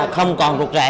không còn rụt rẻ